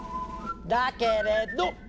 だけれど！